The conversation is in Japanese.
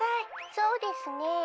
「そうですね。